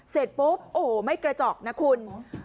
เสร็จปุ๊บไม่กระจอกนะคุณ